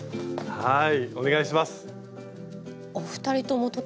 はい。